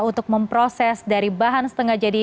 untuk memproses dari bahan setengah jadi